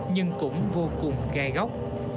nhưng cũng vô cùng gai gốc